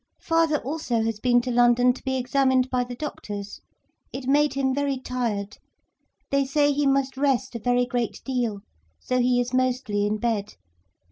"Father also has been to London, to be examined by the doctors. It made him very tired. They say he must rest a very great deal, so he is mostly in bed.